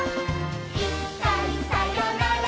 「いっかいさよなら